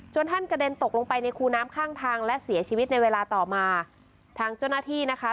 ท่านกระเด็นตกลงไปในคูน้ำข้างทางและเสียชีวิตในเวลาต่อมาทางเจ้าหน้าที่นะคะ